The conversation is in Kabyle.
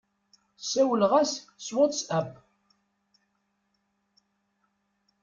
Sawleɣ-as s WhatsApp.